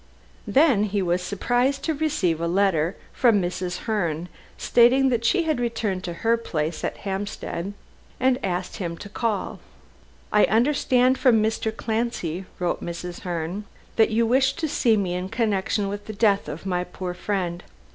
Then he was surprised to receive a letter from Mrs. Herne, stating that she had returned to her place at Hampstead, and asking him to call. "I understand from Mr. Clancy," wrote Mrs. Herne, "that you wish to see me in connection with the death of my poor friend.